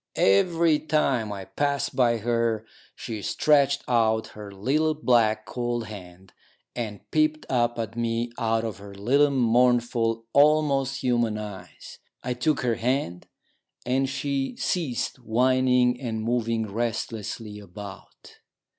Every time I passed by her she stretched out her little, black, cold hand, and peeped up at me out of her little mournful, almost human eyes. I took her hand, and she ceased whining and moving restlessly about.